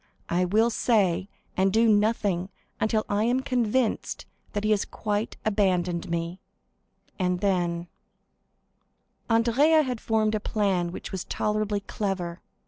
I will say and do nothing until I am convinced that he has quite abandoned me, and then——" Andrea had formed a plan which was tolerably clever.